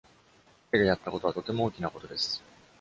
彼がやったことはとても大きなことです。